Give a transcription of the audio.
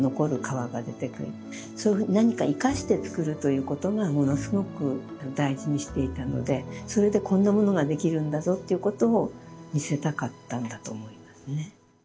そういうふうに何か生かして作るということがものすごく大事にしていたのでそれでこんなものができるんだぞっていうことを見せたかったんだと思いますね。